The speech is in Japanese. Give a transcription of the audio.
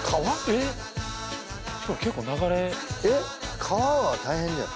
えっしかも結構流れえ川は大変だよ